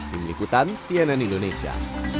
dikutan cnn indonesia